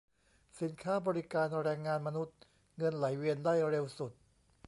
สินค้า บริการ แรงงานมนุษย์ เงินไหลเวียนได้เร็วสุด